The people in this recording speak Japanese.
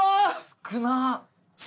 少なっ。